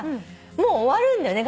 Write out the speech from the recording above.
もう終わるんだよね